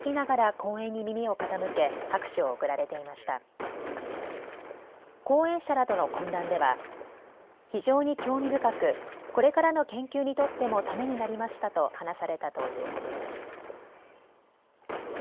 講演者らとの懇談では非常に興味深く、これからの研究にとってもためになりましたと話されたということです。